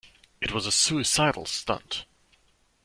It was a suicidal stunt.